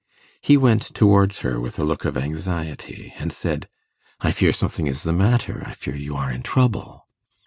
He went towards her with a look of anxiety, and said, 'I fear something is the matter. I fear you are in trouble.